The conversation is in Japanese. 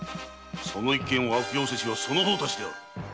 その一件を悪用せしはその方たちである。